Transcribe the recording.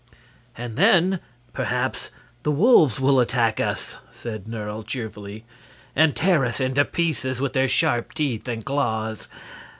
"And then perhaps the wolves will attack us," said Nerle, cheerfully, "and tear us into pieces with their sharp teeth and claws."